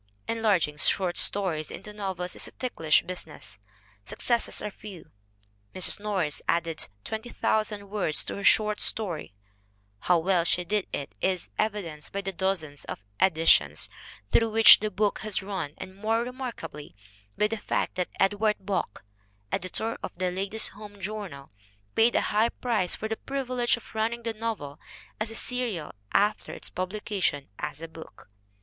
Enlarging short stories into novels is a ticklish busi ness. Successes are few. Mrs. Norris added 20,000 words to her short story. How well she did it is evi denced by the dozens of editions through which the book has run and more remarkably by the fact that Edward Bok, editor of the Ladies' Home Journal, paid a high price for the privilege of running the novel as a serial after its publication as a book.